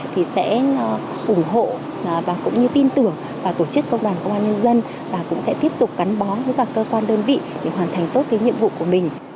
thì sẽ ủng hộ và cũng như tin tưởng vào tổ chức công đoàn công an nhân dân và cũng sẽ tiếp tục gắn bó với các cơ quan đơn vị để hoàn thành tốt cái nhiệm vụ của mình